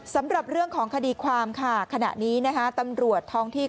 สำหรับเรื่องของคดีความค่ะขณะนี้นะคะตำรวจท้องที่